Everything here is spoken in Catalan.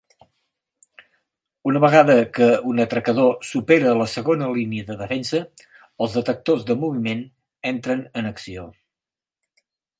Una vegada que un atracador supera la segona línia de defensa, els detectors de moviment entren en acció.